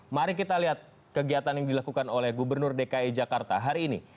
mari kita lihat kegiatan yang dilakukan oleh gubernur dki jakarta hari ini